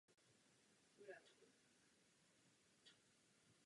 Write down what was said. Tento nástroj by znamenal v rukou templářů ovládnutí lidstva.